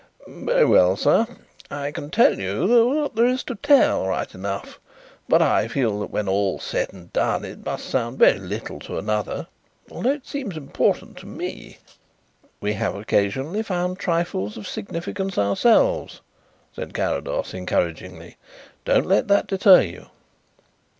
"Very well, sir. I can tell you what there is to tell, right enough, but I feel that when all's said and done it must sound very little to another, although it seems important to me." "We have occasionally found trifles of significance ourselves," said Carrados encouragingly. "Don't let that deter you."